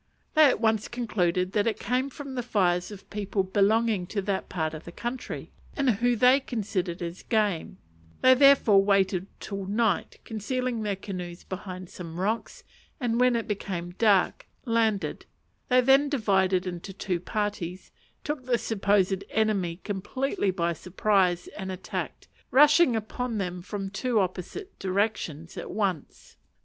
They at once concluded that it came from the fires of people belonging to that part of the country, and who they considered as game; they therefore waited till night, concealing their canoes behind some rocks, and when it became dark, landed; they then divided into two parties, took the supposed enemy completely by surprise, and attacked, rushing upon them from two opposite directions at once.